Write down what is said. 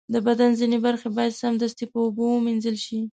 د بدن ځینې برخې باید سمدستي په اوبو ومینځل شي.